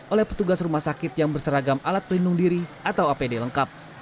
oleh petugas rumah sakit yang berseragam alat pelindung diri atau apd lengkap